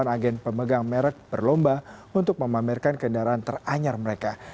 delapan agen pemegang merek berlomba untuk memamerkan kendaraan teranyar mereka